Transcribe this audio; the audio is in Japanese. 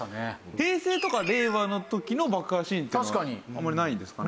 平成とか令和の時の爆破シーンっていうのはあんまりないんですかね？